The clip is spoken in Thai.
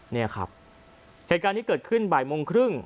นี่ครับเหตุการณ์นี้เกิดขึ้นบ่ายโมงครึ่ง